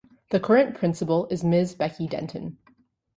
The current principal is Ms. Becky Denton.